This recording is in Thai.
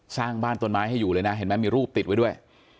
สร้างบ้านต้นไม้ให้อยู่เลยนะเห็นไหมมีรูปติดไว้ด้วย